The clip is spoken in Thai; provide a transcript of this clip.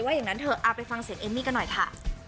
อย่างนั้นเถอะไปฟังเสียงเอมมี่กันหน่อยค่ะ